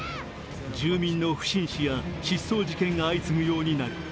住民の不審死や失踪事件が相次ぐようになる。